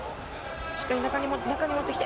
しっかり中に持ってきて。